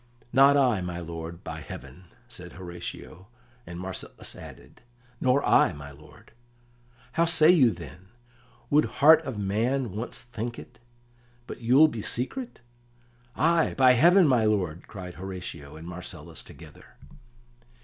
"Not I, my lord, by heaven!" said Horatio, and Marcellus added: "Nor I, my lord." "How say you then? Would heart of man once think it But you'll be secret?" "Ay, by heaven, my lord!" cried Horatio and Marcellus together.